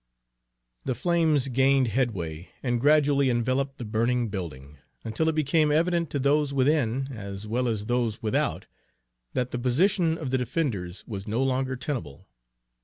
The flames gained headway and gradually enveloped the burning building, until it became evident to those within as well as those without that the position of the defenders was no longer tenable.